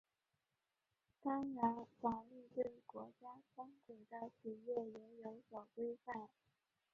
当然法律对国家参股的企业也有所规范。